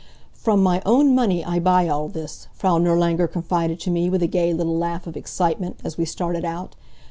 "From my own money I buy all this," Frau Nirlanger confided to me, with a gay little laugh of excitement, as we started out.